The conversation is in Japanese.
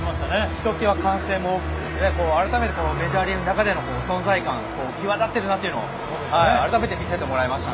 ひときわ歓声も大きくて改めて、メジャーリーグの中での存在感が際立っているなと改めて見せてもらいました。